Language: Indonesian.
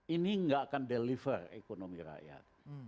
ini nggak akan deliver ekonomi rakyat